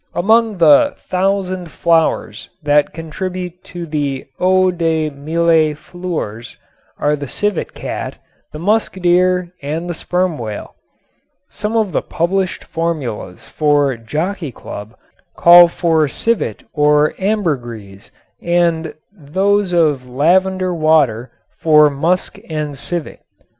Among the "thousand flowers" that contribute to the "Eau de Mille Fleurs" are the civet cat, the musk deer and the sperm whale. Some of the published formulas for "Jockey Club" call for civet or ambergris and those of "Lavender Water" for musk and civet.